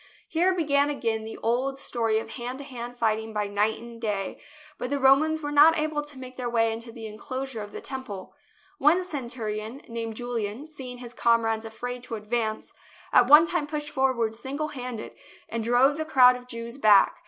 Here began again the old story of hand to hand fighting by night and day, but the Romans were not able to make their way into the enclosure of the Temple. One cen turion, named Julian, seeing his comrades afraid to advance, at one time pushed forward singlehanded and drove the crowd of Jews back.